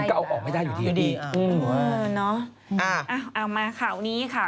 มันก็เอาออกไม่ได้อยู่ดีเออเอามาข่าวนี้ค่ะ